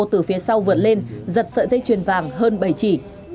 từ phía sau vượt lên giật sợi dây chuyền vàng hơn bảy chỉ